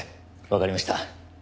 わかりました。